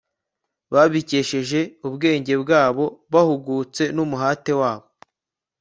babikesheje ubwenge bwabo buhugutse n'umuhate wabo